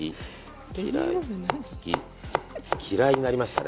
嫌いになりましたね。